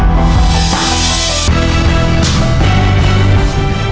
เกมต่อชีวิตวันนี้